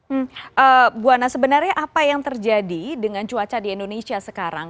ibu ana sebenarnya apa yang terjadi dengan cuaca di indonesia sekarang